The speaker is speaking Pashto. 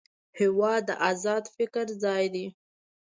هېواد د ازاد فکر ځای دی.